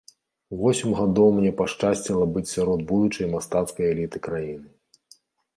Восем гадоў мне пашчасціла быць сярод будучай мастацкай эліты краіны.